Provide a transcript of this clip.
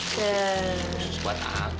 khusus buat aku